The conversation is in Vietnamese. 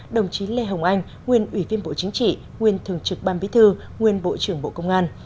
đồng chí lê hồng anh nguyên ủy viên bộ chính trị nguyên thường trực ban bí thư nguyên bộ trưởng bộ công an